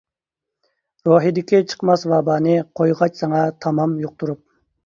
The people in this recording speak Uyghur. روھىدىكى چىقماس ۋابانى، قويغاچ ساڭا تامام يۇقتۇرۇپ.